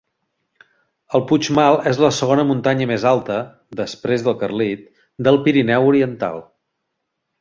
El Puigmal es la segona muntanya més alta, després del Carlit, del Pirineu Oriental.